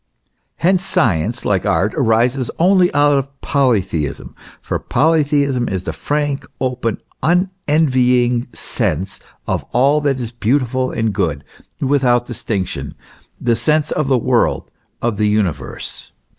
Hence science, like art, arises only out of polytheism, for polytheism is the frank, open, unenvying sense of all that is beautiful and good without distinction, the sense of the world, of the universe.